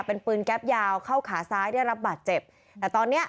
เป็นปืนแก๊ปยาวเข้าขาซ้ายได้รับบาดเจ็บแต่ตอนเนี้ย